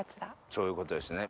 そういうことですね。